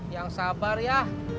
yang sabar ya